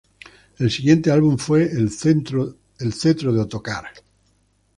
El siguiente álbum fue "El cetro de Ottokar".